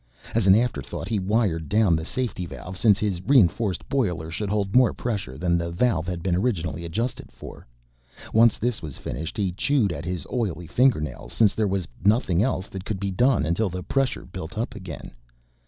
As an afterthought he wired down the safety valve since his reinforced boiler should hold more pressure than the valve had been originally adjusted for. Once this was finished he chewed at his oily fingernails since there was nothing else that could be done until the pressure built up again.